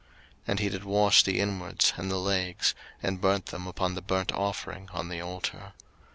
03:009:014 And he did wash the inwards and the legs, and burnt them upon the burnt offering on the altar.